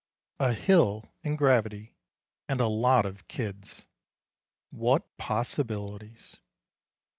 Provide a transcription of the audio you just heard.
A hill and gravity and a lot of kids, what possibilities.